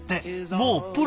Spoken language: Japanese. もうプロ！